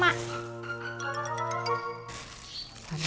memang eerstejang bagallist